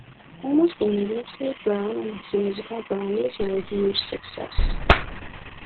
Almost immediately, Brown and His Musical Brownies were a huge success.